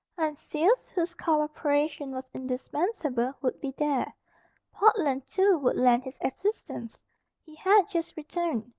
Heinsius, whose cooperation was indispensable, would be there. Portland too would lend his assistance. He had just returned.